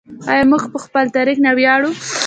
آیا موږ په خپل تاریخ نه ویاړو؟